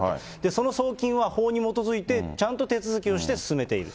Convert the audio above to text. その送金は法に基づいて、ちゃんと手続きをして進めている。